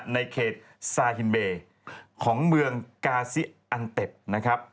ในเขตซาฮิมเบย์ของเมืองกาซิอันเต็ดนะครับ